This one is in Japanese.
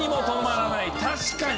確かに。